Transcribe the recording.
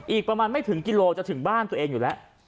อีกประมาณไม่ถึงกิโลจะถึงบ้านตัวเองอยู่แล้ว